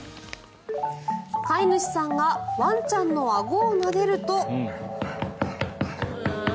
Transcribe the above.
飼い主さんがワンちゃんのあごをなでると。